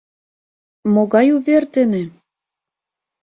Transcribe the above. Могай увер дене?